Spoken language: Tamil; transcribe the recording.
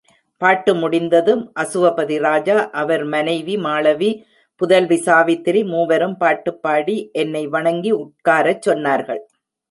பாட்டு முடிந்ததும் அசுவபதி ராஜா, அவர் மனைவி மாளவி, புதல்வி சாவித்திரி மூவரும்பாட்டுப்பாடி என்னை வணங்கி உட்காரச் சொன்னார்கள்.